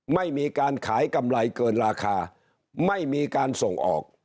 ไม่มีการขายกำไรเกินราคาไม่มีการส่งออก